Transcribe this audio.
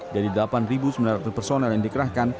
dari delapan sembilan ratus personel yang dikerahkan